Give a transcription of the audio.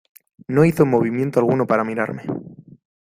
No hizo movimiento alguno para mirarme.